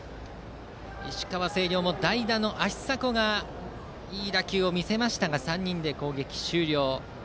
石川・星稜も代打の芦硲がいい打球を見せましたが３人で攻撃終了。